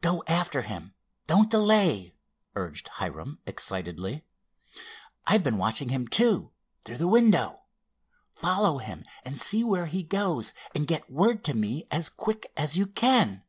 "Go after him, don't delay," urged Hiram excitedly. "I've been watching him, too—through the window. Follow him, and see where he goes and get word to me as quick as you can."